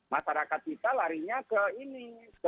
masyarakat kita larinya ke ini